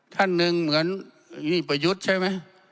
ท่านหนึ่งเหมือนพี่ประยุทธ์ใช่ไหม